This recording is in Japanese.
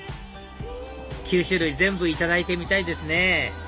９種類全部いただいてみたいですね